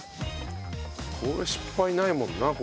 これ失敗ないもんなこれ。